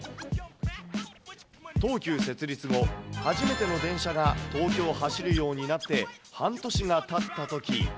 東急設立後、初めての電車が東京を走るようになって半年がたったとき。